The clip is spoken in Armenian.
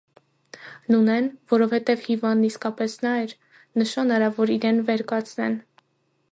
Նունեն - որովհետև հիվանդն իսկապես նա էր - նշան արավ, որ իրեն վեր կացնեն: